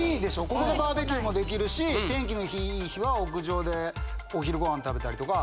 ここでバーベキューも出来るし天気の良い日は屋上でお昼ご飯食べたりとか。